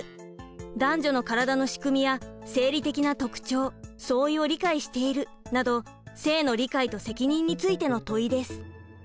「男女のからだのしくみや生理的な特徴・相違を理解している」など性の理解と責任についての問いです。